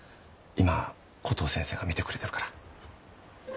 今コトー先生が診てくれてるから。